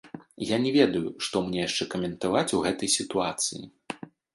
Я не ведаю, што мне яшчэ каментаваць у гэтай сітуацыі.